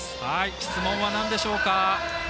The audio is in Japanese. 質問はなんでしょうか？